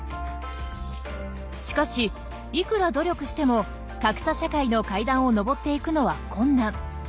しかしいくら努力しても格差社会の階段を上っていくのは困難。